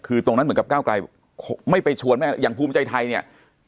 คือตรงนั้นเหมือนกับก้าวไกลไม่ไปชวนแม่อย่างภูมิใจไทยเนี่ย